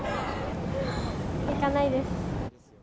行かないです。